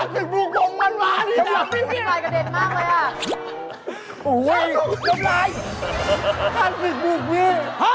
มีอะไรให้ช่วย